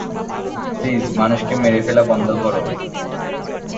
Please মানুষকে মেরে ফেলা বন্ধ করো।